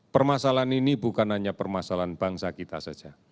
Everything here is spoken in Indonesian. permasalahan ini bukan hanya permasalahan bangsa kita saja